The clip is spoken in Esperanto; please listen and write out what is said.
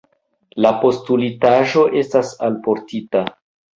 La postulitaĵo estas alportita.